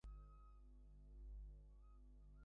বসন্ত রায় কহিলেন, হাঁ ভাই।